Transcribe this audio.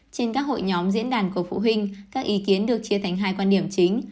trên các hội nhóm diễn đàn của phụ huynh các ý kiến được chia thành hai quan điểm chính